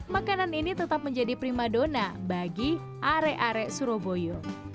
makanan ini tetap menjadi prima dona bagi are are suroboyo